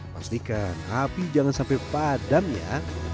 pastikan api jangan sampai padam ya